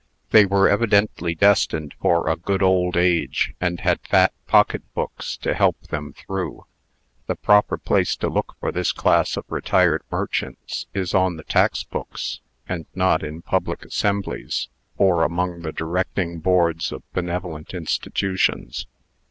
They were evidently destined for a good old age, and had fat pocket books to help them through. The proper place to look for this class of retired merchants is on the tax books, and not in public assemblies, or among the Directing Boards of benevolent institutions.